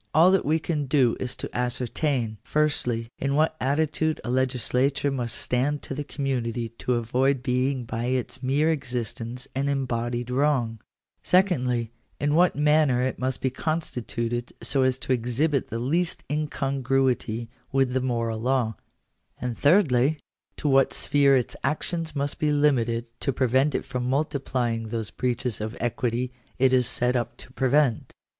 All that we can do is to ascertain, firstly, in what attitude a legislature must stand to the community to avoid being by its mere existence an embodied wrong; — secondly, in what manner it must be constituted so as to exhibit the least incongruity with the moral law ;— and thirdly, to what sphere its actions must be limited to prevent it from multiplying those breaches of equity it is set up to prevent.